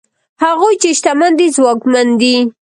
هغوی چې شتمن دي ځواکمن دي؛